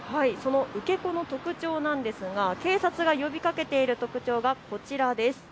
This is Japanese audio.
受け子の特徴なんんですが警察が呼びかけている特徴がこちらです。